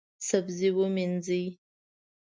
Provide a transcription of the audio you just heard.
سبزي ومینځئ